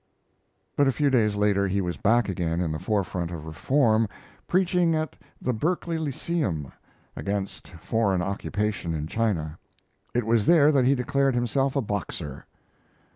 But a few days later he was back again in the forefront of reform, preaching at the Berkeley Lyceum against foreign occupation in China. It was there that he declared himself a Boxer.